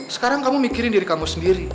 sekarang kamu mikirin diri kamu sendiri